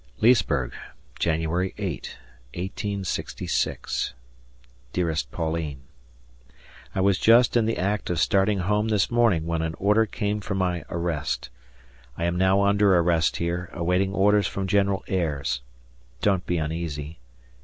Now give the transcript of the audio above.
Leesburg, January 8, '66. Dearest Pauline: I was just in the act of starting home this morning when an order came for my arrest. I am now under arrest here, awaiting orders from General Ayres. Don't be uneasy.